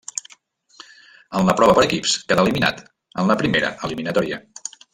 En la prova per equips quedà eliminat en la primera eliminatòria.